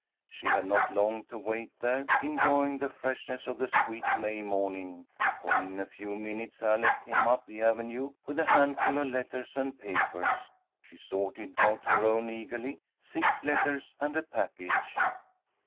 She had not long to wait there, enjoying the freshness of the sweet May morning, for in a few minutes Alec came up the avenue with a handful of letters and papers. She sorted out her own eagerly, six letters and a package.